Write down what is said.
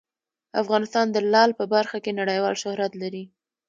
افغانستان د لعل په برخه کې نړیوال شهرت لري.